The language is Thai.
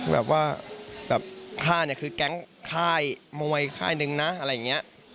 แบบว่าแบบฆ่าเนี่ยคือแก๊งค่ายมวยค่ายหนึ่งนะอะไรอย่างนี้